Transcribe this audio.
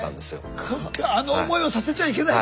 そっかあの思いをさせちゃいけない。